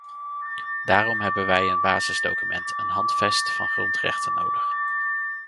Daarom hebben wij een basisdocument, een handvest van grondrechten nodig.